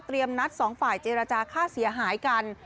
นัดสองฝ่ายเจรจาค่าเสียหายกัน